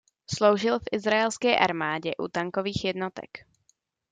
Sloužil v izraelské armádě u tankových jednotek.